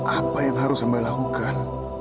apa yang harus saya lakukan